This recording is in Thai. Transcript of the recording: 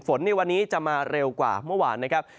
ในวันนี้จะมาเร็วกว่าเมื่อวานนะครับ